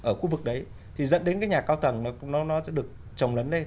ở khu vực đấy thì dẫn đến cái nhà cao tầng